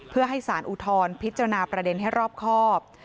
เพื่อให้สารอุทธรณ์พิจารณาประเด็นให้รอบครอบ